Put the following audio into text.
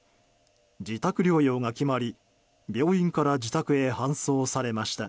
自宅療養が決まり病院から自宅へ搬送されました。